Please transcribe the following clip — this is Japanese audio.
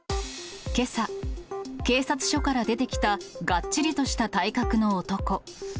けさ、警察署から出てきた、がっちりとした体格の男。